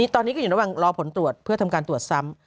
ตอนนี้ก็อยู่ระหว่างรอผลตรวจเพื่อทำการตรวจซ้ำ